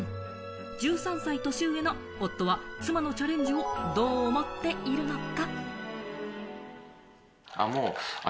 １３歳年上の夫は妻のチャレンジをどう思っているのか。